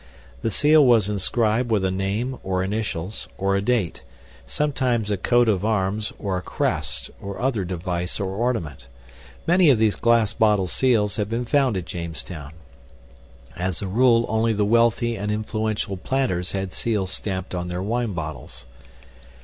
The seal was inscribed with a name, or initials, or a date; sometimes a coat of arms or a crest, or other device or ornament. Many of these glass bottle seals have been found at Jamestown. As a rule, only the wealthy and influential planters had seals stamped on their wine bottles.